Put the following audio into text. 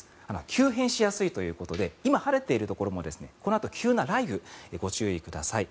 急変しやすいということで今、晴れているところもこのあと急な雷雨にご注意ください。